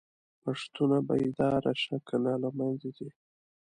پښتونه!! بيدار شه کنه له منځه ځې